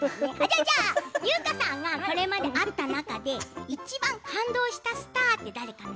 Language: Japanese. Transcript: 優香さんがこれまで会った中でいちばん感動したスターって誰かな？